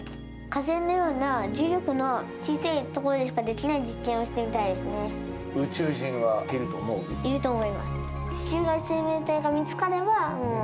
火星のような重力の小さい所でしかできない実験をしてみたい宇宙人はいると思う？